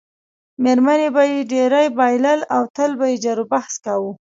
میرمنې به یې ډېری بایلل او تل به یې جروبحث کاوه.